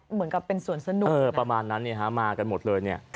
เหมือนกับเป็นส่วนสนุมประมาณนั้นนะมากันหมดเลย